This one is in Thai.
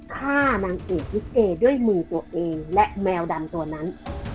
ฆ่านางเอกลิเกด้วยมือตัวเองและแมวดำตัวนั้น